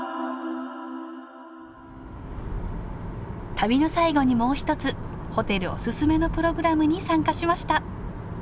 旅の最後にもう一つホテルおすすめのプログラムに参加しました。